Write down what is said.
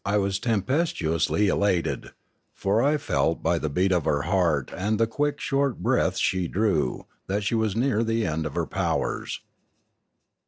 I was tempestuously elated; for I felt, 45 706 Limanora by the beat of her heart and the quick short breaths she drew, that she was near the end of her powers.